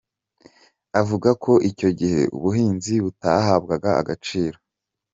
Avuga ko icyo gihe ubuhinzi butahabwaga agaciro.